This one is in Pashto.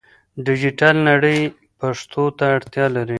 ډیجیټل نړۍ پښتو ته اړتیا لري.